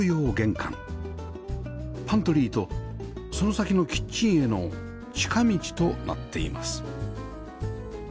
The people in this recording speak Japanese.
パントリーとその先のキッチンへの近道となっています